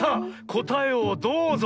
こたえをどうぞ！